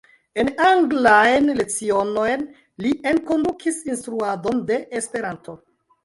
En anglajn lecionojn li enkondukis instruadon de Esperanto.